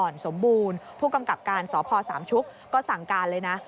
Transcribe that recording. สมบูรณ์ผู้กำกับการสพสามชุกก็สั่งการเลยนะ